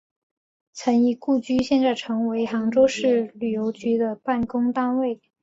陈仪故居现在成为杭州市旅游局的办公单位。